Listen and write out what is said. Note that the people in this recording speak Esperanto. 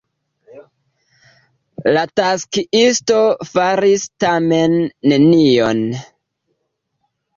La taksiisto faris tamen nenion.